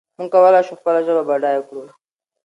موږ کولای شو خپله ژبه بډایه کړو.